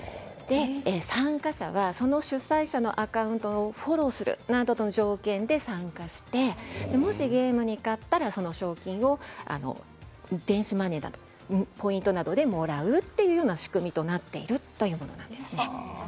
参加者はその主催者のアカウントをフォローするなどの条件で参加してゲームに勝ったら賞金を電子マネーやポイントでもらえるという仕組みとなっているんです。